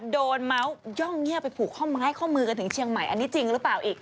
เมาส์ย่องเงียบไปผูกข้อไม้ข้อมือกันถึงเชียงใหม่อันนี้จริงหรือเปล่าอีก